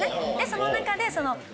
その中で。